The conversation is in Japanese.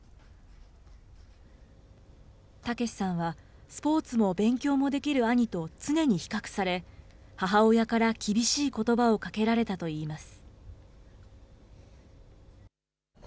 タケシさんは、スポーツも勉強もできる兄と常に比較され、母親から厳しいことばをかけられたといいます。